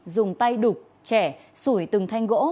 dùng tay đục chẻ sủi từng thanh gỗ